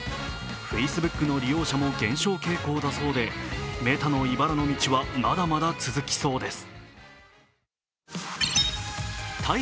Ｆａｃｅｂｏｏｋの利用者も減少傾向だそうでメタのいばらの道は、まだまだ続きそうです。